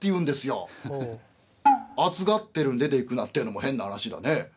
「暑がってるのに出ていくなっていうのも変な話だね。